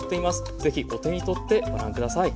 是非お手に取ってご覧下さい。